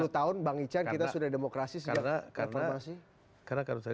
sepuluh tahun bang ican kita sudah demokrasi sejak reformasi